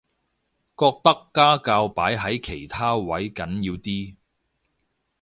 覺得家教擺喺其他位緊要啲